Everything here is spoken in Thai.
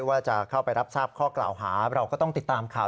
ว่าจะเข้าไปรับทราบข้อกล่าวหาเราก็ต้องติดตามข่าว